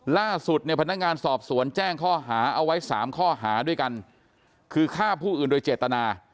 ล่าสุดเนี่ยพนักงานสอบสวนแจ้งข้อหาเอาไว้๓ข้อหาด้วยกันคือฆ่าผู้อื่นโดยเจตนา